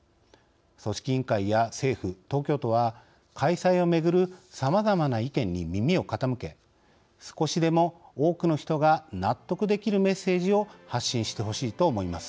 組織委員会や政府、東京都は開催をめぐるさまざまな意見に耳を傾け少しでも多くの人が納得できるメッセージを発信してほしいと思います。